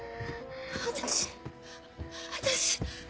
私私。